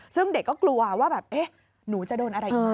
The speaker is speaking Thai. ซึ่งเด็กก็กลัวว่าแบบเอ๊ะหนูจะโดนอะไรอีก